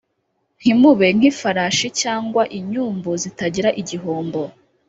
Ntimube nk ifarashi cyangwa inyumbu zitagira igihombo